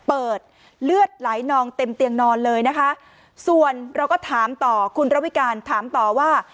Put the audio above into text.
เลือดไหลนองเต็มเตียงนอนเลยนะคะส่วนเราก็ถามต่อคุณระวิการถามต่อว่า